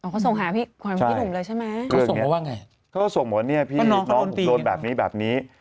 เขาส่งหาพี่หนุ่มเลยใช่ไหมเขาส่งมาว่าไงเขาก็ส่งบอกว่าเนี่ยพี่น้องผมโดนแบบนี้แบบนี้